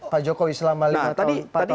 pak jokowi selama empat tahun terakhir